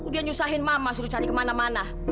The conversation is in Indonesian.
dia nyusahin mama suruh cari kemana mana